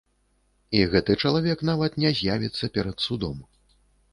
І гэты чалавек нават не з'явіцца перад судом.